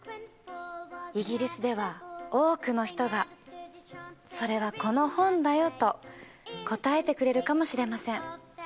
イギリスでは多くの人が「それはこの本だよ」と答えてくれるかもしれません。